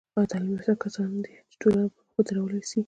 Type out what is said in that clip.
تعلیم یافته کسان دي، چي ټولنه پر پښو درولاى سي.